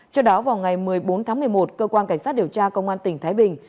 trước đó vào ngày một mươi bốn tháng một mươi một cơ quan cảnh sát điều tra công an tỉnh thái bình